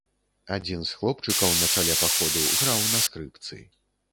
Адзін з хлопчыкаў на чале паходу граў на скрыпцы.